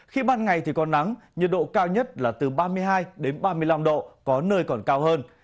khi ban ngày thì có nắng nhiệt độ cao nhất là từ ba mươi hai ba mươi năm độ có nơi còn cao hơn